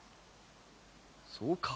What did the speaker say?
そうか。